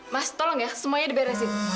mas tolong ya semuanya diberesin